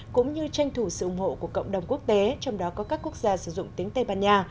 cũng như tranh thủ sự ủng hộ của cộng đồng quốc tế trong đó có các quốc gia sử dụng tiếng tây ban nha